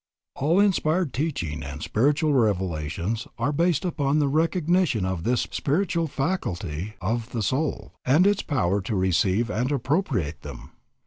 All inspired teaching and spiritual revelations are based upon the recognition of this spiritual faculty of the soul, and its power to receive and appropriate them.